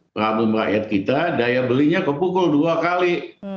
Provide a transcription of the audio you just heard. problem rakyat kita daya belinya kepukul dua kali